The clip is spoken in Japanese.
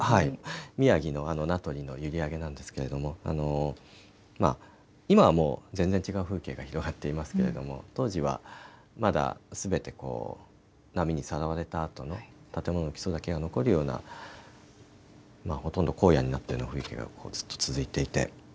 宮城の名取の閖上なんですけれども今は全然違う風景が広がっていますけれども当時は、まだすべて波にさらわれたあとの建物の基礎だけが残るようなほとんど荒野になっているような風景がずっと続いていて。